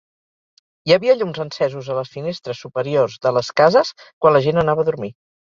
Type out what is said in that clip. Hi havia llums encesos a les finestres superiors de les cases quan la gent anava a dormir.